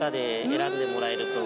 選んでもらえると。